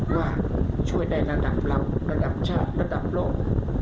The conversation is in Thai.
ว่าช่วยได้ระดับลำระดับชาติระดับโลก